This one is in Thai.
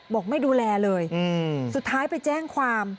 ไม่ดูแลเลยสุดท้ายไปแจ้งความ